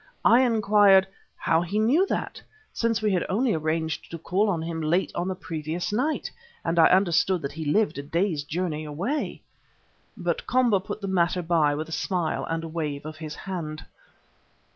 I inquired how he knew that, since we had only arranged to call on him late on the previous night, and I understood that he lived a day's journey away. But Komba put the matter by with a smile and a wave of his hand.